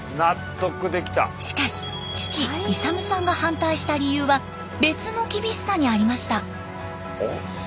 しかし父勇さんが反対した理由は別の厳しさにありました。